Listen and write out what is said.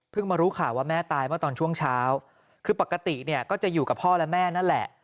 มารู้ข่าวว่าแม่ตายเมื่อตอนช่วงเช้าคือปกติเนี่ยก็จะอยู่กับพ่อและแม่นั่นแหละ